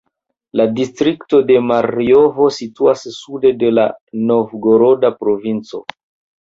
La distrikto de Marjovo situas sude de la Novgoroda provinco.